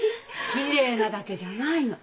きれいなだけじゃないの。